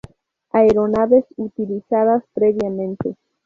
Aeronaves utilizadas previamente